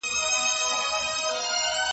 ځوان له سپي څخه بېحده په عذاب سو `